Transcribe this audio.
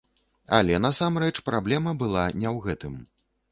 Але насамрэч праблема была не ў гэтым.